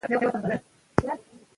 که نښې وي نو لوستونکی نه غلطیږي.